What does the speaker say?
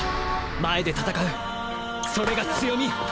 前で戦うそれが強み。